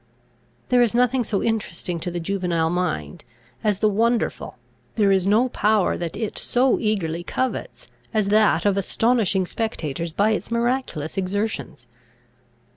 There is nothing so interesting to the juvenile mind, as the wonderful; there is no power that it so eagerly covets, as that of astonishing spectators by its miraculous exertions.